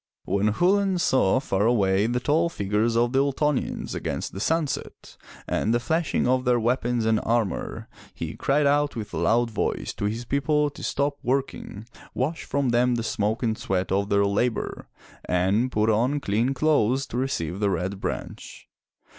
When Chulain saw far away the tall figures of the Ultonians against the sunset, and the flashing of their weapons and armor, he cried out with a loud voice to his people to stop working, wash from them the smoke and sweat of their labor, and put on clean clothes to receive the Red Branch.